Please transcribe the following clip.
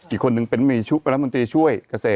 อีกคนนึงเป็นประเภทมพูนตรีช่วยเกษตร